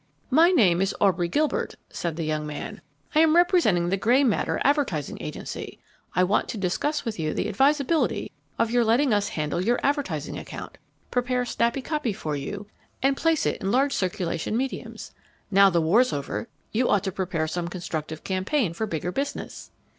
"My name is Aubrey Gilbert," said the young man. "I am representing the Grey Matter Advertising Agency. I want to discuss with you the advisability of your letting us handle your advertising account, prepare snappy copy for you, and place it in large circulation mediums. Now the war's over, you ought to prepare some constructive campaign for bigger business."